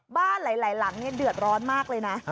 บ้านหลายหลังเดือดร้อนมากเลยนะ